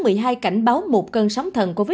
đã đặt báo một cơn sóng thần covid một mươi chín